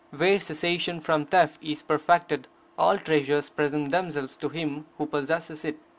Where cessation from theft is perfected, all treasures present themselves to him who possesses it.